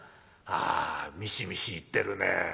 ああミシミシいってるねえ。